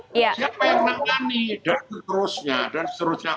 siapa yang menangani dan seterusnya